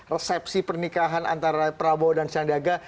resepsi pernikahan antara prabowo dan sandiaga